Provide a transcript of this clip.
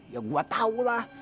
ya gue tahu lah